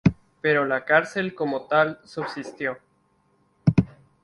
Pero la cárcel, como tal, subsistió.